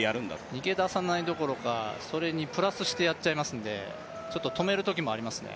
逃げ出さないどころかそれにプラスしてやっちゃいますので止めるときもありますね。